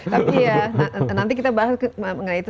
tapi ya nanti kita bahas mengenai itu